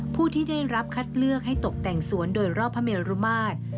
ผู้ที่ได้รับคัดเลือกให้ตกแต่งสวนโดยรอบพระเมรุมาตร